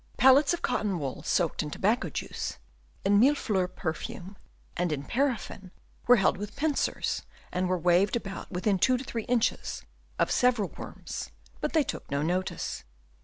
Pellets of cotton wool soaked in tobacco juice, in millefleurs perfume, and in paraffin, were held with pincers and were waved about within two or three inches of several worms, but they took no notice.